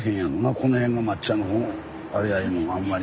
この辺が抹茶のあれやいうのあんまり。